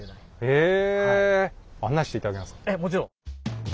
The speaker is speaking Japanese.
ええもちろん。